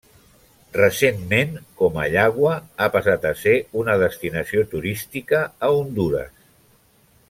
Recentment Comayagua ha passat a ser una destinació turística a Hondures.